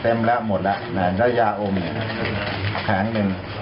เต็มแล้วหมดแล้วแล้วยาอมเนี่ยแผงหนึ่ง